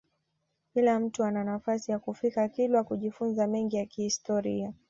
Kila mtu ana nafasi ya kufika kilwa kujifunza mengi ya kihistoria